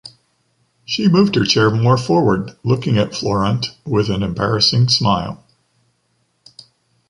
She moved her chair more forward, looking at Florent with an embarrassing smile.